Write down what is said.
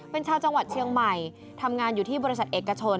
เป็นชาวจังหวัดเชียงใหม่ทำงานอยู่ที่บริษัทเอกชน